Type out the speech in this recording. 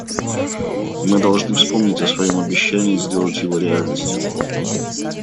Мы должны вспомнить о своем обещании и сделать его реальностью.